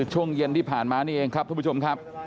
ช่วงเย็นที่ผ่านมานี่เองครับทุกผู้ชมครับ